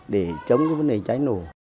để chống cái vấn đề cháy nổ